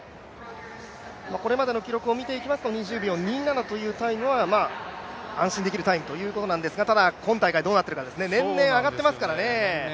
これまでの記録を見ていきますと２０秒２７というタイムはまあ、安心できるタイムということですが、今大会どうなっているかですね、年々上がっていますからね。